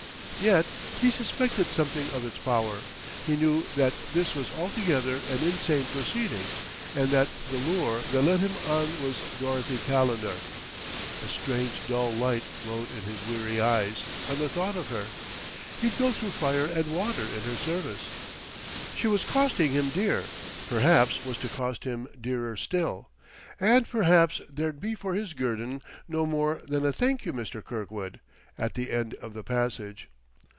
Yet he suspected something of its power; he knew that this was altogether an insane proceeding, and that the lure that led him on was Dorothy Calendar. A strange dull light glowed in his weary eyes, on the thought of her. He'd go through fire and water in her service. She was costing him dear, perhaps was to cost him dearer still; and perhaps there'd be for his guerdon no more than a "Thank you, Mr. Kirkwood!" at the end of the passage.